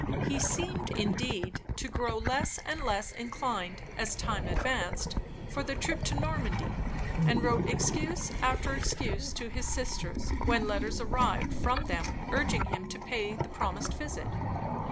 He seemed, indeed, to grow less and less inclined, as time advanced, for the trip to Normandy; and wrote excuse after excuse to his sisters, when letters arrived from them urging him to pay the promised visit.